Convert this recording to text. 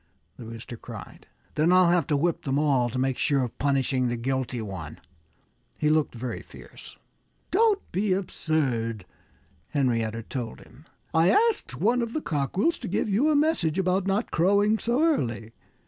the Rooster cried. "Then I'll have to whip them all, to make sure of punishing the guilty one." He looked very fierce. "Don't be absurd!" Henrietta told him. "I asked one of the cockerels to give you a message about not crowing so early.